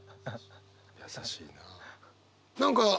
優しいなあ。